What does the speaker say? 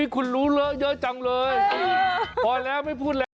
คุณรู้เลอะเยอะจังเลยพอแล้วไม่พูดแล้ว